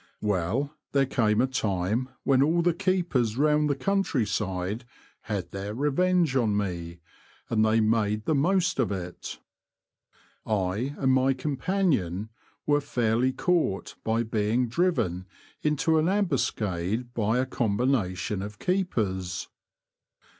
Well, there came a time when all the keepers round the country side had their revenge on me, and they made the most of it. I and my companion were fairly caught by being driven into an ambuscade by a combination of keepers.